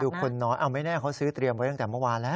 คือคนน้อยเอาไม่แน่เขาซื้อเตรียมไว้ตั้งแต่เมื่อวานแล้ว